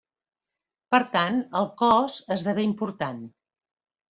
Per tant, el cos esdevé important.